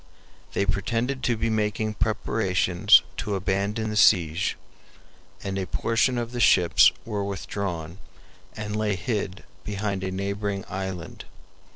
They pretended to be making preparations to abandon the siege, and a portion of the ships were withdrawn and lay hid behind a neighboring island.